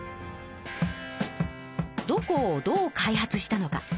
どこをどう開発したのか。